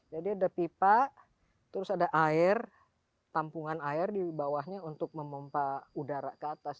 jadi ada pipa terus ada air tampungan air di bawahnya untuk memompak udara ke atas